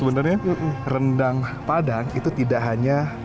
sebenarnya rendang padang itu tidak hanya